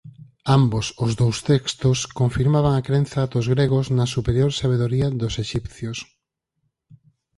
Ambos os dous textos confirmaban a crenza dos gregos na superior sabedoría dos exipcios.